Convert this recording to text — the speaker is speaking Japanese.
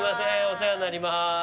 お世話になります。